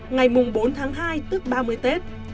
ngày bốn tháng hai tức ba mươi tết